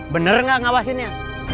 bener gak ngawasinnya